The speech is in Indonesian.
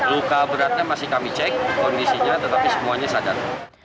luka beratnya masih kami cek kondisinya tetapi semuanya sadar